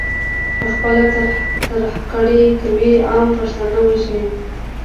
پخپله ترهګري کوي، عام پښتانه وژني.